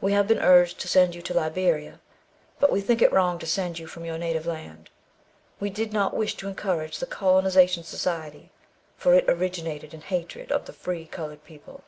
We have been urged to send you to Liberia, but we think it wrong to send you from your native land. We did not wish to encourage the Colonization Society, for it originated in hatred of the free coloured people.